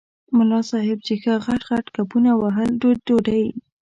ملا صاحب چې ښه غټ غټ کپونه وهل د ډوډۍ.